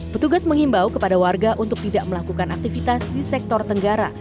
petugas mengimbau kepada warga untuk tidak melakukan aktivitas di sektor tenggara